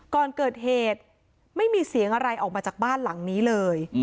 ก่อนเกิดเหตุไม่มีเสียงอะไรออกมาจากบ้านหลังนี้เลย